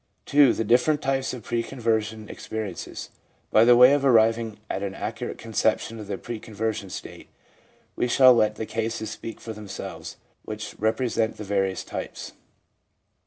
2. The Different Types of Pre Conversion Experiences. — By way of arriving at an accurate conception of the pre conversion state, we shall let the cases speak for themselves which represent the various types.